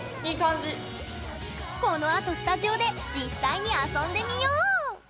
このあとスタジオで実際に遊んでみよう！